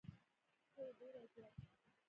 هو، ډیره زیاته